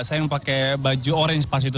saya yang pakai baju orange pas itu